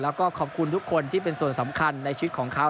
แล้วก็ขอบคุณทุกคนที่เป็นส่วนสำคัญในชีวิตของเขา